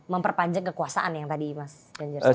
memperpanjang kekuasaan yang tadi mas genjar sebutkan